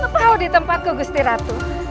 mau di tempatku gusti ratu